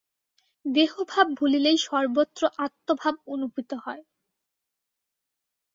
দেহভাব ভুলিলেই সর্বত্র আত্মভাব অনুভূত হয়।